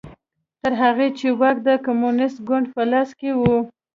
تر هغې چې واک د کمونېست ګوند په لاس کې و